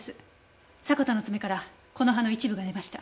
迫田の爪からこの葉の一部が出ました。